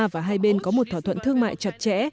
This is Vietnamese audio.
và hai bên có một thỏa thuận thương mại chặt chẽ